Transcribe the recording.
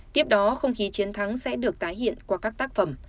tiếp đó không khí chiến thắng sẽ được tái hiện qua các tác phẩm